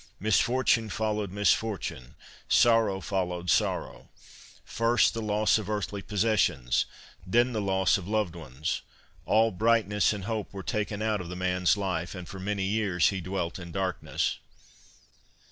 Misfortune followed mis fortune ; sorrow followed sorrow ; first, the loss THROUGH ROSE COLOURED SPECTACLES III of earthly possessions, then the loss of loved ones. All brightness and hope were taken out of the man's life, and for many years he dwelt in darkness.